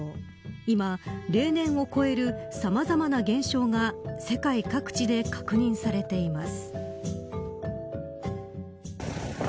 今、例年を超えるさまざまな現象が世界各地で確認されています。